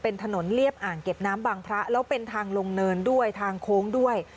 เป็นถนนเรียบอ่างเก็บน้ำบางพระแล้วเป็นทางลงเนินด้วยทางโค้งด้วย